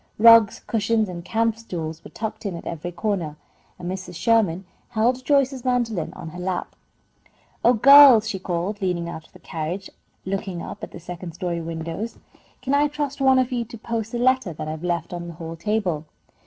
Rugs, cushions, and camp stools were tucked in at every corner, and Mrs. Sherman held Joyce's mandolin in her lap. "Oh, girls!" she called, leaning out of the carriage and looking up at the second story windows. "Can I trust one of you to post the letter that I have left on the hall table?"